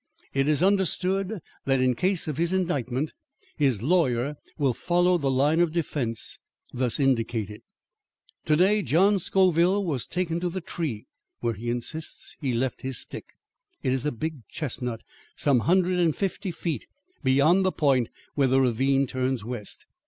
"It is understood that in case of his indictment, his lawyer will follow the line of defence thus indicated." "To day, John Scoville was taken to the tree where he insists he left his stick. It is a big chestnut some hundred and fifty feet beyond the point where the ravine turns west.